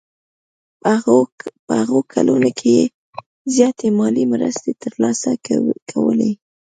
په هغو کلونو کې یې زیاتې مالي مرستې ترلاسه کولې.